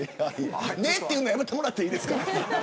ねって言うのやめてもらっていいですか。